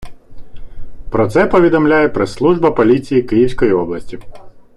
Про це повідомляє прес-служба поліції Київської області.